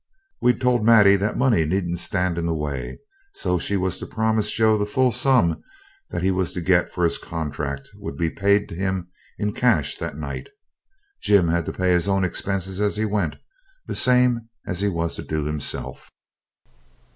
We'd told Maddie that money needn't stand in the way, so she was to promise Joe the full sum that he was to get for his contract would be paid to him in cash that night Jim to pay his own expenses as he went, the same as he was to do himself.